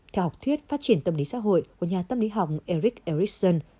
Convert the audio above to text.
theo học thuyết phát triển tâm lý xã hội của nhà tâm lý học eric ericsson